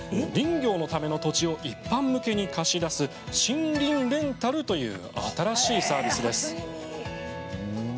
林業のための土地を一般向けに貸し出す森林レンタルという新しいサービスです。